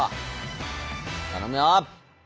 頼むよ！